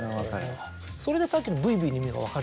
それでさっきの。